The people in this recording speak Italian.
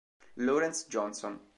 Lawrence Johnson